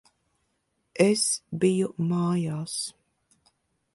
Es biju mājās.